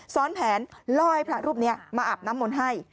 ซ้อนแผนล่อให้พระรูปนี้มาอาบน้ำมนต์ให้